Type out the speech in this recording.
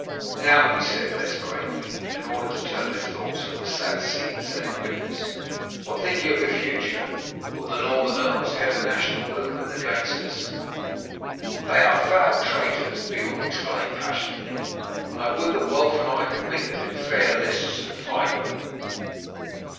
Now," he said less gravely, in order to turn their thoughts from the sad scenes they had witnessed, "what think you of the future, will the Northern earls head a national movement against us?" "They are foul traitors!" Beorn exclaimed passionately; "and I would that Wulf and I could meet them in fair lists and fight them."